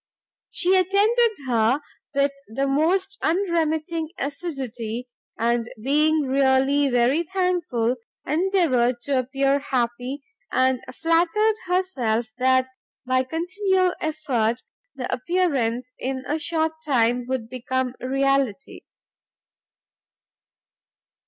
She attended her with the most unremitting assiduity, and being really very thankful, endeavoured to appear happy, and flattered herself that, by continual effort, the appearance in a short time would become reality.